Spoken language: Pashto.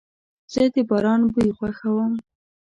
زه د باران بوی خوښوم.